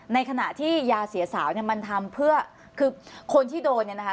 ในขณะที่ยาเสียสาวเนี่ยมันทำเพื่อคือคนที่โดนเนี่ยนะคะ